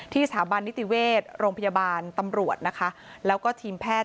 สถาบันนิติเวชโรงพยาบาลตำรวจนะคะแล้วก็ทีมแพทย์